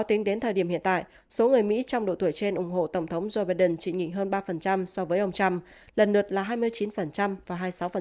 tính đến thời điểm hiện tại số người mỹ trong độ tuổi trên ủng hộ tổng thống joe biden chỉ nghỉ hơn ba so với ông trump lần lượt là hai mươi chín và hai mươi sáu